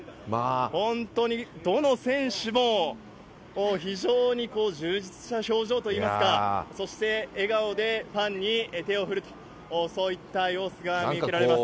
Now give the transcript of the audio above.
本当にどの選手も、非常に充実した表情といいますか、そして笑顔でファンに手を振ると、そういった様子が見受けられます。